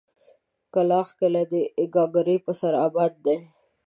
کلاخ کلي د گاگرې په سر اباد دی.